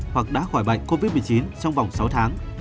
hoặc đã khỏi bệnh covid một mươi chín trong vòng sáu tháng